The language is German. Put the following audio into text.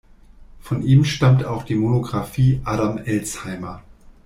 Von ihm stammt auch die Monografie "Adam Elsheimer.